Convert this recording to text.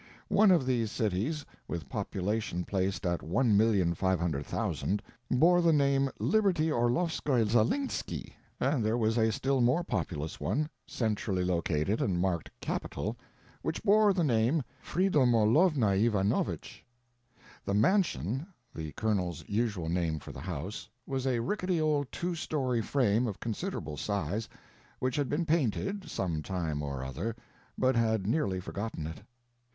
One of these cities, with population placed at 1,500,000, bore the name "Libertyorloffskoizalinski," and there was a still more populous one, centrally located and marked "Capital," which bore the name "Freedomolovnaivanovich." The "mansion"—the Colonel's usual name for the house—was a rickety old two story frame of considerable size, which had been painted, some time or other, but had nearly forgotten it.